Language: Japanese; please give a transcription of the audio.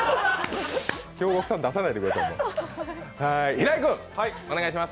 京極さん出さないでくださいね。